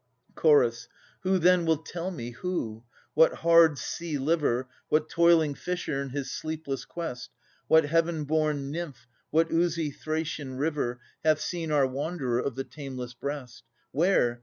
Ch. Who then will tell me, who ? What hard sea liver. What toiling fisher in his sleepless quest, What heaven born nymph, what oozy Thracian river, Hath seen our wanderer of the tameless breast ? Where?